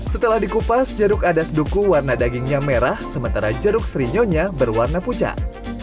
setelah dikupas jeruk adas duku warna dagingnya merah sementara jeruk srinyonya berwarna pucat